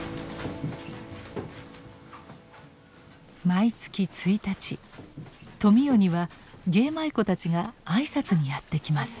毎月一日富美代には芸舞妓たちが挨拶にやって来ます。